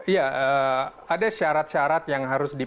ya ada syarat syarat yang harus diperha